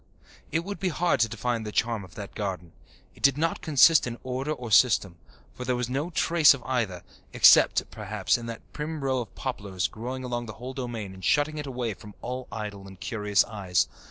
It would be hard to define the charm of that garden. It did not consist in order or system, for there was no trace of either, except, perhaps, in that prim row of poplars growing about the whole domain and shutting it away from all idle and curious eyes.